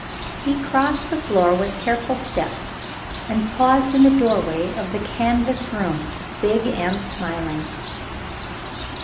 He crossed the floor with careful steps and paused in the doorway of the canvas room, big and smiling.